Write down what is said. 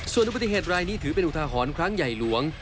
ส่วนอุบัติเหตุรายนี้ถือเป็นอุทาหรณ์ครั้งใหญ่หลวง